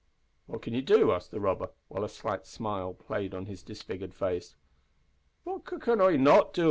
"What can you do?" asked the robber, while a slight smile played on his disfigured face. "What c can I not do?